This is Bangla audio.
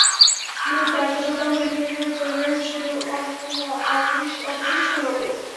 মুহূর্তে আত্মসত্ত্বা ভুলে তিনি যেন চলে গেলেন সুদূর কোন অদৃশ্যলোকে।